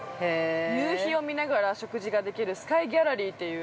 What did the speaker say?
夕日を見ながら、食事ができるスカイギャラリーという。